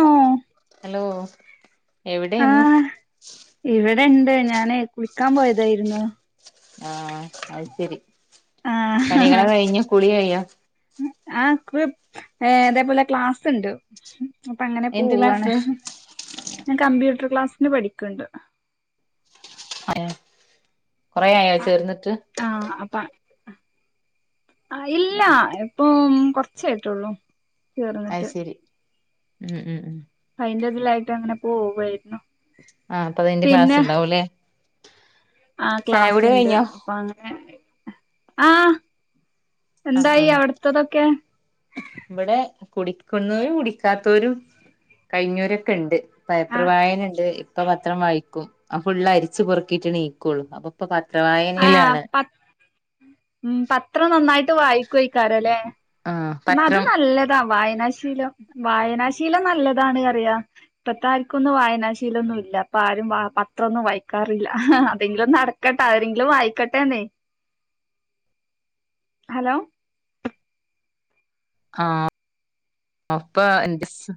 ഓ hello എവിടെയ്ന്നു ആഹ് ക്കാൻ പോയതായിരുന്നു ആഹ അത് ശരി പണികളെ കഴിഞ്ഞ് കുളി കഴിഞ്ഞോ ആ കുപ് അതേപോലെ ക്ലാസ്ണ്ട് അപ്പ അങ്ങനെ എന്ത് പോവ്വാണ് ക്ലാസ് ഞാൻ കമ്പ്യൂട്ടർ ക്ലാസിന് പഠിക്ക്ണ്ട് അതെ കൊറെയായോ ചേർന്ന്ട്ട് ആ ഇല്ല ഇപ്പം കൊറച്ചായ്ട്ടൊള്ളൂ അത് ചേർന്ന്ട്ട് ശരി ഉം ഉം അയ്ന്റെതിലായിട്ടങ്ങനെ പോവായിരുന്നു ആഹ അപ്പ അതിന്റെ ക്ലാസ്സ്ണ്ടാവും ലേ ആ ക്ലാസ്ണ്ട് അപ്പൊ അങ്ങനെ ആ ആഹ് എന്തായി ആഹ് അവ്ട്ത്തതൊക്കെ ഇവിടെ കുടിക്കുന്നോരും കുടിക്കാത്തോരും കഴിഞ്ഞോരൊക്ക്ണ്ട് പേപ്പർ ആഹ് വായന്ണ്ട് ഇപ്പ പത്രം വായിക്കും അഫുള്ള് അരിച്ച് പെറുക്കീട്ട് നീക്കുള്ളൂ അപുപ്പപ ത്ര ആഹ് വായനയിലാണ് പ പത്രം നന്നായിട്ട് വായ്ക്കൊയ്ക്കാരല്ലേ ആഹ് എന്ന അത് പത്രം നല്ലതാ വായനാശീലം വായനാശീലം നല്ലതാണ് അറിയാ ഇപ്പത്തെ ആര്ക്കൊന്നും വായനാശീലൊന്നും ഇല്ല അപ്പആരും വ പത്രൊന്നും വായ്ക്കാറില്ല അതെങ്കിലും ന്നടക്കട്ടെ ആരെ ങ്കിലും വായ്ക്കട്ടെന്നേ ഹലോ ആഹ അപ്പ ഇസ്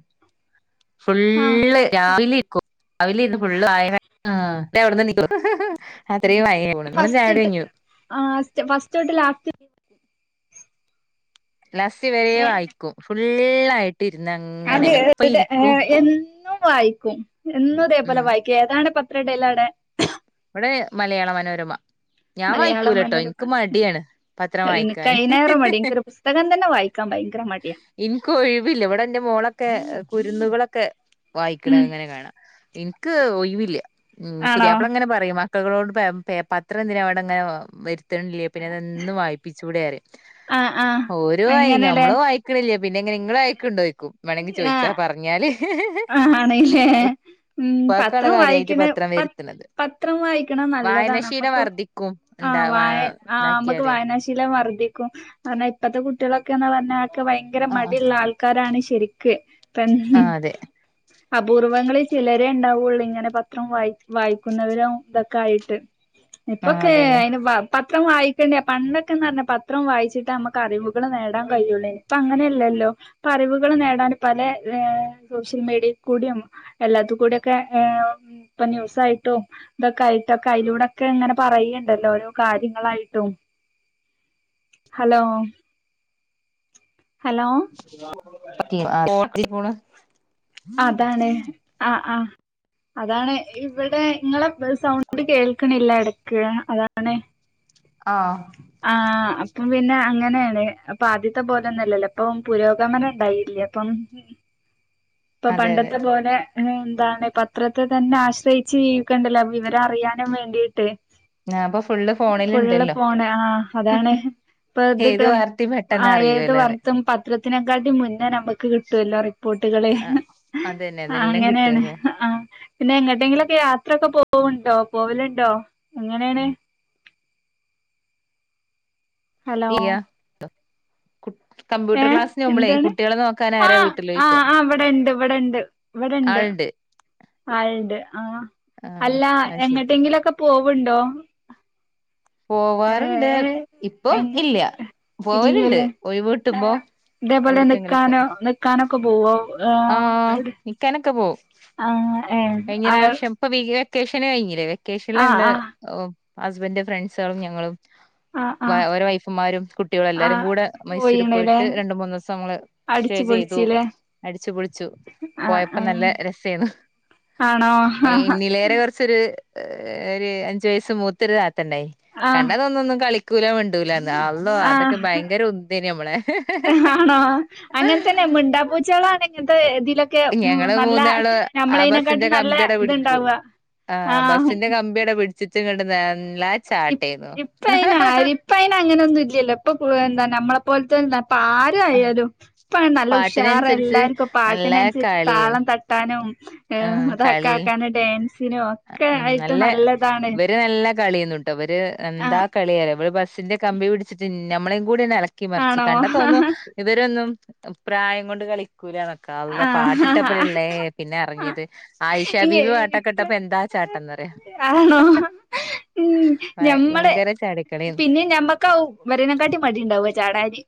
ആഹ് ഫുള്ള് രാവിലെ ഇരിക്കും രാവിലെ ഇരുന്ന് ഫുള്ള് വായന ആ ട്ടെ എവിടെന്ന് നികൊള്ളു ഫസ്റ്റ്ട്ട് ആ ഫസ്റ്റ്ട്ട് ലാസ്റ്റ് ലസ്സിവരെ വായിക്കും ഫുള്ളായിട്ട് ഇരുന്ന് അങ്ങനെ അതെ എപ്പ ഇരിക്കും എന്നും വായിക്കും എന്നും അതേപോലെ ഉം വായിക്കും ഏതാണ് പ ഇത്രടല്ലടെ ഇവിടെ മലയാള മനോരമ ഞാൻ മലയാളം വായിക്കൂലട്ടോ മനോരമ എനിക്ക് മടിയാണ് പത്രം എനിക്ക് വായിക്കാന് ഹ് ഹ് അയിനേറെ മടി ഹ് എനിക്കൊരു പുസ്തകം തന്നെ വായിക്കാൻ ഭയങ്കര മടിയാ എനിക്ക് ഒഴിവില്ല ഇവിടെ എന്റെ മോളെ ഒക്കെ കുരുന്നുകളൊക്കെ വായിക്കണം ഉം ഇങ്ങനെ കാണാം എനിക്ക് ഒഴിവില്ല ഉം ആണോ പുതിയാപ്ല മക്കളോട് പത്ര എന്തിന അവിടെങ്ങനെ വരു [inaudible] [unintelligible] പിന്നെ അതന്ന് വായിപ്പിച്ചു കൂടെ ആഹ് ആഹ് ഓരോ അങ്ങനെല്ലേ ഞമ്മള വായിക്കണില്ലേ പിന്നെങ്ങനെ നിങ്ങള ആക്കോണ്ടോക്കും വേണമെങ്കി ചോദിച്ചാ പറഞ്ഞാല് ആ ആണല്ലേ ഉം ഉപ്പാക്കാണ് പത്രം കാര്യായിട്ട് വായിക്കണ പത്രം പ വരുത്തണത് പത്രം വായിക്കണം നല്ലതാണ് വായനാശീലം നമ്മക്ക് വർധിക്കും ആ ഇണ്ടാ വാ നമ്മക്ക് ഇതാക്കിയാല് വായനാ ശീലം വിക്കാര ഇപ്പത്തെ കുട്ടികളൊക്കെന്ന് പറഞ്ഞാൽ ഭയങ്കര ആഹ് മടിള്ള ആൾക്കാരാണ് ശരിക്ക് പ ആഹ് അതെ അപൂർവങ്ങളിൽ ചിലരേ ഉണ്ടാവുള്ളൂ ഇങ്ങനെ പത്രം വായി വായിക്കുന്നവര ഇതൊക്കെ ആയിട്ട് ആഹ് ഇപ്പൊക്കെ അതന്നെ അയിന് പത്രം വായിക്കണ്ട പണ്ടൊക്കെന്ന് പറഞ്ഞ പത്രം വായിച്ചിട്ട് നമ്മുക്ക് അറിവ് നേടാൻ കഴുള്ളേ ഇപ്പങ്ങനെയല്ലല്ലോ അറിവുകൾ നേടാൻ പല [unintelligible] മീഡിയക്കൂടിയും അല്ലാതുകൂടിയൊക്കെ ഇപ്പം ന്യൂസായിട്ടും തോക്കായിട്ടും അലൂടൊക്കെ ഇങ്ങനെ പറയുണ്ടല്ലോ ഓരോ കാര്യങ്ങളായിട്ടും ഹലോ ഹലോ കോടതീ പോണ അതാണ് ആ ആ അതാണ് ഇവിടെ ഇങ്ങളെ സൗണ്ട് കേൾക്കണില്ല ഇടക്ക് അതാണ് ആ ആ അപ്പം പിന്നെ അങ്ങനെയാണ് അപ്പൊ ആദ്യത്തെ പോലൊന്നല്ലോ ഇപ്പൊ പുരോഗമനം ഉണ്ടായില്ല അപ്പം ഇപ്പൊ അതെ അതെ പണ്ടത്തെ പോലെ എന്താണ് പത്രത്തെ തന്നെ ആശ്രയിച്ച് ജീവിക്കണ്ടല്ലോ വിവരറിയാനും വേണ്ടിയിട്ട് ഞാൻ ഇപ്പൊ ഫുള്ള് ഫുള്ള് ഫോണില്ണ്ടല്ലോ പോണ ആ അതാണ് ഇപ്പൊ ഇത് ഏത് വാർത്തയും പെട്ടെന്ന് ഏത് അറിയോല്ലോ പറയാ വർത്തും പത്ര ഇതിനേക്കാട്ടും മുന്നേ നമുക്ക് കിട്ടുമല്ലോ റിപ്പോർട്ടുകൾ ആഹ് അതന്നെ ആ അതെല്ലാം അങ്ങനെയാണ് കിട്ടുവല്ലോ ആ പിന്നെ എങ്ങട്ടെങ്കിലുമൊക്കെ യാത്രയക്കെ പോവണ്ടോ പോവലുണ്ടോ എങ്ങനെയാണ് ഹലോ കു ഏ കമ്പ്യൂട്ടർ ക്ലാസ്സിനുപോകുമ്പോളേ എന്താണ് കുട്ടികളെ നോക്കാൻ ആ ആരാ ആ വീട്ടിലിരിക്ക ആ ഇവിടെണ്ട് ഇവിടെണ്ട് ഇവിടെണ്ട് ആളുണ്ട് ആളുണ്ട് ആ അല്ല അത് ശരി എങ്ങട്ടെങ്കിലൊക്കെ പോവുണ്ടോ ഏ പോവാറുണ്ട് ഏ എ ഇപ്പം ഇല്ല പോവലുണ്ട് ഇല്ലല്ലേ ഏ ഒഴിവുകിട്ടുമ്പോ ഇതേപോലെ എവിടക്കെങ്കിലൊക്കെ നിക്കാനോ നിക്കാനൊക്കെ പോവോ ആ എട് ആക്കനക്ക് ആ ഏ ആ എങ്ങനെഷംപ്പ വക വെക്കേഷന് കഴിഞ്ഞില്ലേ വെക്കേഷനിൽ ഞങ്ങള് ആ ഹസ്ബൻഡ് ഫ്രണ്ട്സുകളും ഞങ്ങളും ആ ആ ആ ഓര വൈഫുമാരും കുട്ടികളും ആ എല്ലാരും കൂടെ മൈസൂരിൽ പോയിണല്ലേ പോയിട്ട് രണ്ടുമൂന്നു ദിവസം നങ്ങൾ സ്റ്റേ ചെയ്തു ചില [unintelligible] പൊളിച്ചു പോയപ്പോ നല്ല രസാരുന്നു ആണോ എന്നിലേറെ കുറച്ചു ഏ ഒരു അഞ്ചു വയസ്സ്‌ മൂത്തൊരു താത്തണ്ടായിനി ആ ആ കണ്ടാതോന്നൊന്നും കളിക്കൂലമിണ്ടൂ ണ്ടൂലാന്ന് ആള്ളോ അതൊക്കെ ആ ഭയങ്കര ഉന്തേന് നമ്മളെ ആണോ? ന്നെ ഇങ്ങൻത്തവേ ഇതിലൊക്കെ ഉം ഞങ്ങള് നല്ല മൂന്നാള് നമ്മളേയ്നെകാട്ടിം നല്ല ഇത്ണ്ടാവാ ആഹ് ബസ്സിന്റെ കമ്പിയടെ പിടിച്ചിട്ട് ങ്ങട് [unintelligible] ഇപ് ഇപ്പയിന് ആരിം ഇപ്പ അയിന് അങ്ങനൊന്നുല്ല്യല്ലോ ഇപ്പൊ ഏ എന്താ നമ്മളെ പോൽത്തെന്നർ പ്പാരായാലും പ്പത് നല്ല പാട്ടിനനുസരിച്ച് ഉഷാറല്ലാർക്കും നല്ല പാട്ടിനനുസരിച്ച് കളിയേന്നു താളം തട്ടാനും ആ ഏഹ് അതൊക്കെ കളി ആക്കാനും ഡാൻസിനോ ഒക്കെ ആയിട്ട് നല്ലതാണ് കെന്നുട്ടോവര് എന്താ ആഹ് കളിഅറിയോ വര് ബസ്സിന്റെ കമ്പി പിടിച്ചിട്ട് ന്നമ്മളെയും കൂടി ഒന്ന് എളക്കിമറിച്ചു ആണോ? കണ്ടാ തോന്നും ഇവരൊന്നും പ്രായം കൊണ്ട് കളി ക്കൂലാന്നൊക്ക അള്ളോ ആഹ് പാട്ടിട്ടപ്പലല്ലേ പിന്നെ ആഹ് എറങ്ങിയത് ആയിഷാബീബി പാട്ടൊക്കെ ഇപ്പ ട്ടപ്പൊ എന്താ ചാട്ടംന്നറിയോ ആണോ ഉം ഞമ്മളെ ഭയങ്കര ചാടിക്കളിയാ പിന്നെ ഞമ്മക്കാവും വരിനക്കാട്ടിം മടി ഉണ്ടാവാ ചാടാന്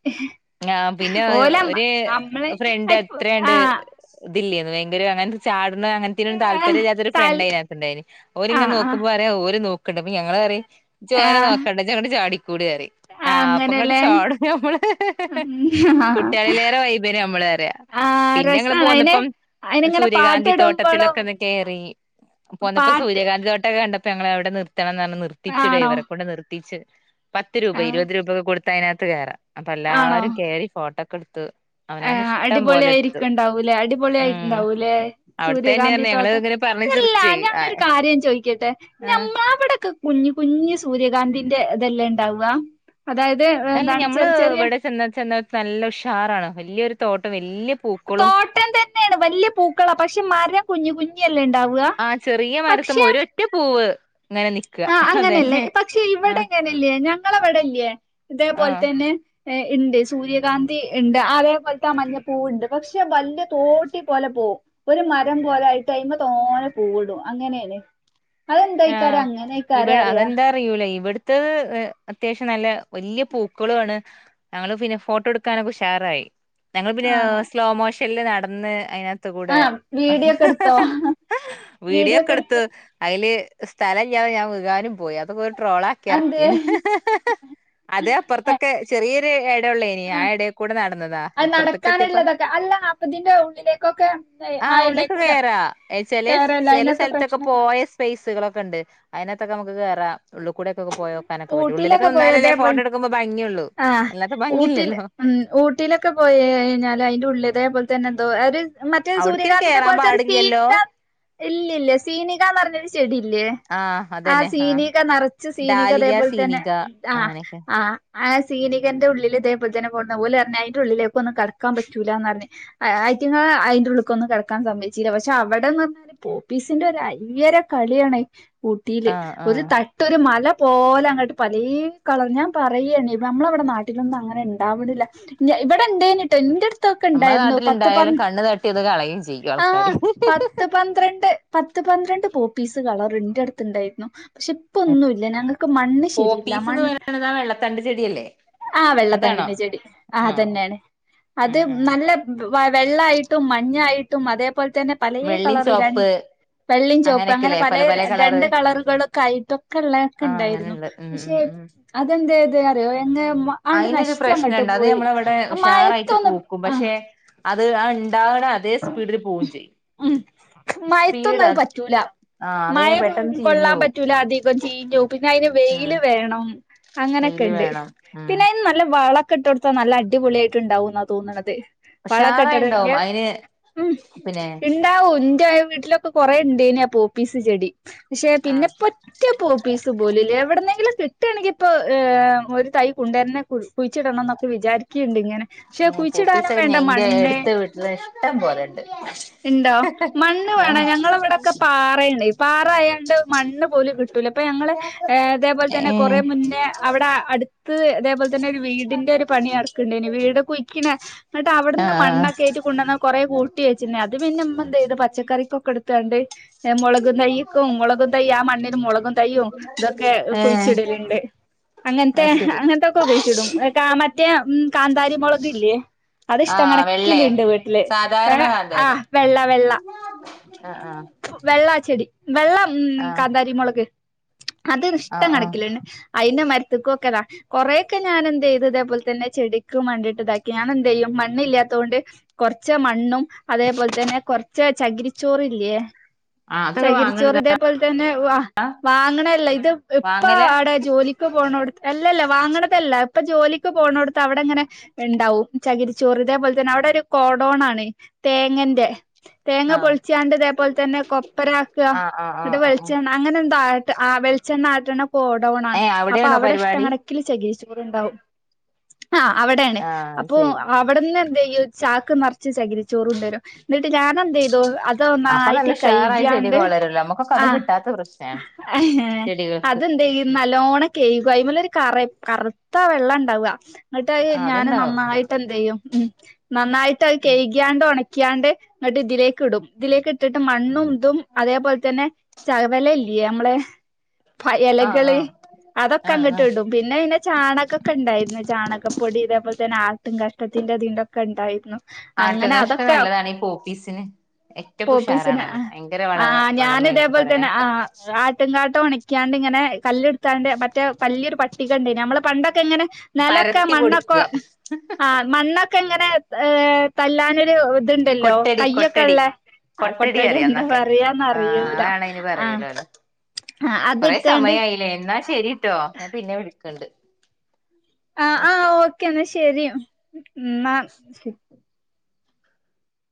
ങ്ങാം പിന്നെ ഓലെ ഒരു അമ്മളെ ഫ്രണ്ട് അയ്പ് എത്രാണ്ട് ആഹ് ഇതില്ലന്ന് ഭയങ്കര അങ്ങനത്തെ ചാട് ന്നാ അങ്ങൻത്തിനൊന്നും ആഹ് താല്പര്യല്ലാത്ത ഒരു താൽ ഫ്രണ്ടയിനാത്ത് ഇണ്ടായിനി ഓല് ഇങ്ങനെ ആഹ് ആഹ് നോക്കുമ്പോ ഓല് നോ ക്ണ്ട് ഞങ്ങൾ പറിം ജി ജോന ആഹ് നോക്കണ്ട ജി അങ്ങട്ട് ചാടി കൂടി റിം ആഹ് അപ്പ ങ്ങട്ട് ചാടും ഞമ്മള് ഉം ആഹ് കുട്ടികളിലേറെ വൈബെനി നമ്മള് അറിയ ആഹ് പിന്നെ ങ്ങള് രസാണ് അയിന് പോന്നപ്പം അയിനിങ്ങനെ സൂര്യകാന്തി പാട്ടിടുമ്പളും തോട്ടത്തിലൊക്കെ ഒന്ന് കേറി പോന്നപ്പം പാട്ട് സൂര്യകാന്തി തോട്ട ക കണ്ടപ്പോ ഞങ്ങള എവിടെ നിർത്തണം പറഞ്ഞി നിർത്തിച്ച് ആണോ ഡ്രൈവറെ ക്കൊണ്ട് നിർത്തിച്ച് പത്ത് രൂപ ആഹ് ഇരുപത് രൂപ ഒക്കെ കൊടുത്താ അതിനകത്ത് കേറാം അപ്പൊ എല്ലാരും കേറി ഫോട്ടോക്കെ എടുത്ത് അവനവന്റെ ആഹ് ഇഷ്ടം പോലെ എടുത്തു അടിപൊളിയായിരിക്കണ്ടാവൂലേ ഉം അടിപൊളിയിട്ടുണ്ടാവൂലേ അവിടത്തന്നെ സൂര്യകാന്തി പറഞ്ഞ് ഞങ്ങള് തോട്ടം ഇങ്ങനെ പറഞ്ഞ് അതല്ല ചിറിച്ചേ ഞാനൊരു ആഹ് കാര്യം ചോയിക്കട്ടെ ആഹ് ഞമ്മള അവിടെയൊക്കെ കുഞ്ഞി കുഞ്ഞി സ് സൂര്യകാന്തിന്റെ ഇതെല്ലേ ഇണ്ടാവ അല്ല ഞമ്മള് ഇവിടെ ചെന്ന ചെന്ന നല്ല ഉഷാറാണ് വല്ല്യരു തോട്ടം വ തോട്ടം തന്നെയാണ് വല്ല്യ പൂക്കളാ പക്ഷെ മരം കുഞ്ഞി കുഞ്ഞി ആഹ് ചെറിയ മരത്ത് മെ ഒര് ഒറ്റ പൂവ് ഇങ്ങനെ നിക്ക ആഹ് അങ്ങനെയല്ലേ അതന്നെ പക്ഷെ ഇവിടെ ആഹ് എങ്ങനെല്ലേ ഞങ്ങളവിടെല്ലേ ഇതേപോലെ ആഹ് തന്നെ ഇണ്ട് സൂര്യകാന്തി ഇണ്ട് അതേപോലത്തെ ആ മഞ്ഞ പൂവുണ്ട് പക്ഷെ വല്ല്യ തോട്ടി പോലെ പോ ഓഹ് ഒരു മരം പോലെ ആയിട്ട് അയ്മ തോനെ പൂവ് ടും അങ്ങനെയല്ലെ അതെ എന്തായിക്കാരം ങ്ങനെ ഇവടെ അതെന്താ അറിയൂലേ ഇവിടുത്തെ അത്യാവശ്യം നല്ല വല്ല്യ പൂക്കളാണ് ഞങ്ങള് പിന്നെ ഫോട്ടോ എടുക്കാനൊക്കെ ഉഷാ ഷാറായി ഞങ്ങൾ പിന്നെ ആണോ സ്ലോ മോഷൻൽ നടന്ന് അയിനാത്തുകൂടെ ആഹ് വീഡിയോ ഒക്കെ എടുത്തോ വീഡിയോ വീഡിയോക്കെ ഒക്കെ എടുത്ത് എടുത്തു അയ്ല് സ്ഥലല്ലതെ ഞാൻ വീകാനും പോയി അതൊ ട്രോള ആക്കി അതെന്തേ ഇറക്കീണ് അത് അപ്പുറത്തൊക്കെ ഏഹ് ചെറിയൊരു ഇട ഉള്ളേനി ആ ആഹ് എടേ കൂടെ നടന്നതാ അത് ഇപ്പുറത്തേക്ക് എത്തിയപ്പൊ നടക്കാനുള്ളതൊക്കെ അല്ല അപ്പൊ ഇതിന്റെ ഉള്ളിലേക്കൊക്കെ ഏ, ആ ആഹ് ഉള്ളിക്ക് എടേക്കൂടെ കേറാ ഏഹ് ചേലെ കേറല്ലേ ചേലെ അയിനൊക്കെ സ്ഥലത്തൊക്കെ പോ പ്രശ്നല്ല [unintelligible] സ്പേസുകളൊക്കെ ഇണ്ട് അയിന് അകത്തൊക്കെ അമ്മെക്ക് കേറാ ഉള്ള്ക്കൂടെ ഒക്കെ പോയോക്കാനൊക്കെ പറ്റും ഉള്ള്ലൊക്കെ ഊട്ടിയിലൊക്കെ നിന്നാൽ പോയ അല്ലെ ഫോട്ടം ഇതേപോലെ ഇട്ക്കുമ്പോ ഭംഗിയൊള്ളു ആഹ് അല്ലാത്തെ ഊട്ടിൽ ഭംഗിയില്ലല്ലോ ഉം ഊട്ടിലൊക്കെ പോയി കഴിഞ്ഞാൽ അയിന്റെ ഉള്ള് ഇതേപോൽ തെന്നെ എന്തോ അര് മറ്റേ അവിടക്ക് സൂര്യകാന്തിന്റെ കേറാൻ പോൽത്തൊര് പാടില്ലല്ലോ സീനിക ഇല്ലി ഇല്ല സീനികാന്ന് പർണൊരു ചെടി ഇല്ലേ ആഹ് സീനിക നറച്ച് സീനിക ഡാലിയ ഇതേപോൽ തെന്നെ സീനിക ആഹ് അങ്ങനെയൊക്കെ ആഹ് ആഹ് സീനികെൻ്റെ ഉള്ളിൽ ഇതേപോൽ തെന്നെ [unintelligible] ഓൽ പർണ് അയിൻ്റെ ഉള്ളിലേക്ക് ഒന്നും കടക്കാൻ പറ്റുല്ലാന്ന് പർണ് അയിറ്റങ്ങെൾ അയിൻ്റെ ഉള്ള്ക്കൊന്നും കടക്കാൻ സംമ്മെയിച്ചീലാ പക്ഷെ അവടെന്ന് പർണാൽ പോപ്പിസിൻ്റെ ഒര് അയ്യെര കളിയാ ണ് ഊട്ടിൽ ആഹ് ഒര് ആഹ് ത ട്ട് മല പോലെ അങ്ങെട്ട് പലേ കളറ് ഞാൻ പറയെനി നമ്മളെ ഇവെടെ നാട്ടിലൊന്നും അങ്ങനെ ഇണ്ടാവ്ണില്ല ഞാ ഇവെടെ ഇണ്ടെയ്നി ട്ടോ ഇന്റെട് ത്തൊക്കെ നമ്മളെ ഇണ്ടായ്രുന്നു പത്ത് നാട്ടിലുണ്ടായാലും പന്ത് കണ്ണ് തട്ടിയത് കളയും ചെയ്യും ആഹ് ആൾക്കാര് പത്ത് പന്ത്രെണ്ട് പത്ത് പന്ത്രെണ്ട് പോപ്പീസ് കളെറ് ഇൻ്റെ അട്ത്ത് ഇണ്ടായ്രുന്നു പക്ഷെ പ ഇപ്പൊന്നുവില്ല ഞങ്ങക്ക് മണ്ണ് ശരിയില്ല പോപ്പീസ്ന്ന് മണ്- പറയണത് ആ വെള്ളത്തണ്ട് ചെടിയല്ലേ ആ അതാണോ വെള്ളത്തണ്ടിന്റെ ചെടി ആ ആഹ് അതന്നെയാണ് അത് ഉം ഉം നല്ല വെള്ളായിട്ടും മഞ്ഞായി ഇതുപോലെ തന്നെ പലേ വെള്ളിം കളറ് ചോപ്പ് രണ്ട് വെള്ളിം ചോപ്പ് അങ്ങനെ അങ്ങനെയൊക്കെല്ലേ പല പലേ രണ്ട് കളറുകളൊക്കെ ആയിട്ട് ആ അങ്ങനെ ഉള്ള ഉം ഉം ഉം അതെന്തായത് അറിയോ എങ്ങ ആണ്ട് അയിനൊരു നശിച്ചങ്ങട്ട് പ്രശ്നൊണ്ട് അത് പോയി. ഞമ്മളവിടെ ഉഷാറായിട്ട് മഴത്തൊന്നും പൂക്കും ആഹ് പക്ഷെ അത് ആ ഉണ്ടാവണെ അതേ സ്പീഡില് പോവുകയും ചെയ്യും ഉം മഴയത്തൊന്നും സ്പീഡ് അത് പറ്റൂല ആഹ് മഴ വേം പെട്ടെന്ന് ചീഞ്ഞു കൊള്ളാൻ പോവും പറ്റൂല അധികം ചീഞ്ഞ് പോവും പിന്നെ അയിന് വെയില് ഉം വേണം അങ്ങനെയൊക്കെ വെയില് ഇണ്ട് വേണം ഉം പിന്നെ അയിന് നല്ല വളവൊക്കെ ഇട്ടുകൊടുത്താ നല്ല അടിപൊളിയായിട്ട് ഇണ്ടാവുന്നാ തോന്നണത് വളവൊക്കെ ഇട്ടുകൊടു ന്നെ പിന്നെ ൻ്റെ വീട്ടിലൊക്കെ കൊറെ ഉണ്ടെന്നേ പോപ്പിസ് ചെടി പക്ഷെ പിന്നെ ആഹ് ഇപ്പം ഒറ്റ പോപ്പിസ് പോലുല്ലേ എവിടുന്നെങ്കിലും കിട്ടുകയാണെങ്കി ഇപ്പോ ഒരു തൈ കൊണ്ടേരനെ കുഴിച്ചിടണം എന്നൊക്കെ വിചാരിക്കുകയുണ്ട് ഇങ്ങനെ പക്ഷെ ഉം പോപ്പിസ് കുഴിച്ചിടാനും വേണ്ട അയിന്റെ മണ്ണ് അടുത്ത വീട്ടില് ഇഷ്ടം പോലണ്ട് ഇണ്ടോ മണ്ണ് വേണം ഞങ്ങളവിടൊക്കെ പാറയാണ് പാറയായോണ്ട് മണ്ണ് പോലും കിട്ടൂല ഞങ്ങള് ഇതേപോലെ തന്നെ ഏഹ് കുറെ മുന്നേ അവിടെ അടുത്ത് ഇതേപോലെ തന്നെ ഒരു വീടിന്റെ ഒരു പണി നടക്കണ്ടയനി ഇനി വീട് കുയിക്കിണേ എന്നിട്ട് അവിടുന്ന് ആഹ് ആഹ് മണ്ണൊക്കെ ആയിട്ട് കൊണ്ടുവന്ന് കൂട്ടി വെച്ചിന് അത് പിന്നെ ഇമ്മ എന്ത്ചെയ്ത് പച്ചക്കറിക്കൊക്കെ എടുത്താണ്ട് മുളകും തൈക്കും മുളകും തൈ ആ മണ്ണില് മുളകും തൈയും ഇതൊക്കെ ഏഹ് കുഴിച്ചിടലുണ്ട് അങ്ങനത്തെ അത് ശരി അങ്ങനത്തെയൊക്കെ കുഴിച്ചിടും ക മറ്റേ കാന്താരി മുളക് ഇല്ലേ അത് ഇഷ്ടം ആഹ് കണക്കില് വെള്ളേ ഇണ്ട് വീട്ടില് സാധാരണ ആ വെള്ള വെള്ള ആ ആ വെള്ള ചെടി വെള്ളം മം കാന്താരി മുളക് അത് ഇഷ്ടം ആഹ് ആഹ് കണക്കിലിണ്ട് അയിന്റെ മര- [unintelligible] ഒക്കെതാ കൊറേയൊക്കെ ഞാൻ എന്ത് ചെയ്തു ഇതേപോലെ തന്നെ ചെടിക്കും വേണ്ടിട്ട് ഇതാക്കി ഞാൻ എന്ത് ചെയ്യും മണ്ണില്ലാത്ത- കൊണ്ട് കൊറച്ച് മണ്ണും അതേപോലെ തന്നെ കൊറച്ച് ചകിരിചോറ് ഇല്ലേ ആ ചകിരിച്ചോറ് ഇതേപോലെ തന്നെ വ വാങ്ങണല്ല ഇത് ഇപ്പ വാങ്ങല് അവിടെ ജോലിക്ക് പോണോട- അല്ലല്ല വാങ്ങണതല്ല ഇപ്പ ജോലിക്ക് പോണോടുത്ത് അവിടെ അങ്ങനെ ഉണ്ടാവും ചകിരിച്ചോറ് ഇതേപോലെ തന്നെ അവിടെ ഒരു ഗോഡൗൺ ആണ് തേങ്ങന്റെ തേങ്ങ പൊ ആഹ് [unintelligible] ഇതേപോലെ തന്നെ കൊപ്ര ആക്കാ ആഹ് ആഹ് ആഹ് എന്നിട്ട് ആഹ് വെളിച്ചെണ്ണ അങ്ങനെ എന്തോ ആ വെളിച്ചെണ്ണ ആട്ടണ ഗോഡൗൺ ആണ് ഏഹ് അപ്പൊ അവിടെയാണോ അവിടെ ഇഷ്ടം പരിപാടി കണക്കില് ചകിരിച്ചോ റുണ്ടാവും ആ അവിടെയാണ് ആഹ് അപ്പൊ ശരി അവിടെന്ന് എന്തേ- ഈ ഒരു ചാക്ക് നെറച്ച് ചകിരി ചോറ് കൊണ്ടു വരും. എന്നിട്ട് ഞാൻ എന്ത് ചെയ്തു അപ്പൊ ന്നായിട്ട് നല്ല ഉഷാറായി കഴിക്കാണ്ട് ചെടിയൊക്കെ വളരുല്ലോ നമ്മുക്കൊക്കെ ആ അത് കിട്ടാത്ത പ്രശ്നാണ് അത ചെടികൾക്ക് ഉം നല്ലോണംകയിക്കും. അയി മേൽ ഒരു ക കറുത്ത വെള്ളം ഉണ്ടാവുക. എന്നിട്ട് ആഹ് ഞാന് അത്ണ്ടാവും നന്നായിട്ട് എന്ത് ചെയ്യും ഉം. നന്നായിട്ട് അത് ഉം കയികാണ്ട് ഉണക്ക്യാണ്ട് ന്നിട്ട് ഇതിലേക്ക് ഇടും. ഇതിലേക്ക് ഇട്ടിട്ട് മണ്ണും ഇതും അതേപോലെ തന്നെ ചവല ഇല്ലിയേ നമ്മളെ പ ആഹ് ഇലകള് ആഹ് അതൊക്കെ ആഹ് അങ്ങോട്ട് ആഹ് ഇടും പിന്നെ പിന്നെ ചാണകകൊക്കെ ഉണ്ടായിരുന്നു. ചാണകപ്പൊടി ഇതേപോലെ തന്നെ ആട്ടിൻ കാഷ്ടത്തി തിന്റെഇതൊക്കെഉണ്ടായിരുന്നു. ആട്ടു കാഷ്ടം നല്ലതാണ് ഈ പോഫീസിന് പോപ്പീസിന് ആ വളമേണെന്ന് ഞാൻഇതേപോലെ തന്നെ ആ പറയണേക്കാ ആട്ടു കാ ട്ട ഒണിക്കാണ്ട് ഇങ്ങനെ കല്ലെടുക്കാണ്ട് മറ്റേ വലിയൊരു പട്ടിക ഉണ്ട് നമ്മള് പണ്ടൊക്കെ ഇങ്ങനെ നിലൊക്കെ പരത്തി പൊടിക്ക മണ്ണൊക്കെ ആ മണ്ണൊക്കെ ഇങ്ങനെ തല്ലാനൊരു ഇതുണ്ടല്ലോ കൊട്ടടി കയ്യൊക്കെ കൊട്ടടി ഉള്ളേ ആ കൊട്ടടി കൊട്ടയുടെ അറിയാം എന്താ എന്നൊക്കെ പറയാന്ന റ [unintelligible] കൊറെേ സമയയില്ലേ എന്നാ ശരിട്ടോ ഞാൻ പിന്നെ വിളിക്കണ്ട്. ആ ആ ഓക്കെ ഓക്കേ എന്നാ ശെരി എന്നാ ശരി.